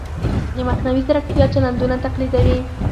د مصنوعي ځیرکتیا چلندونه تقلیدوي.